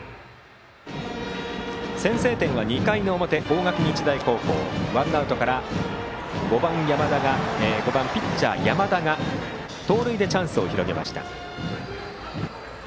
先制点は２回の表大垣日大高校、ワンアウトから５番ピッチャー、山田が盗塁でチャンスを広げました。